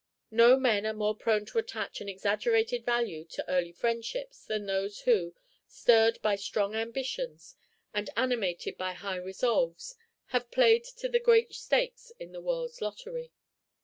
No men are more prone to attach an exaggerated value to early friendships than those who, stirred by strong ambitions, and animated by high resolves, have played for the great stakes in the world's lottery.